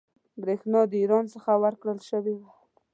برېښنا د ایران څخه ورکول شوې وه.